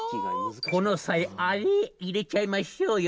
この際、あれ入れちゃいましょう。